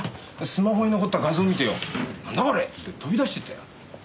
スマホに残った画像見てよ「なんだこれ？」っつって飛び出していったよ。